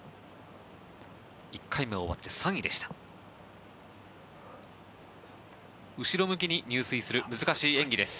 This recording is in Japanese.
１回目が終わって３位でした。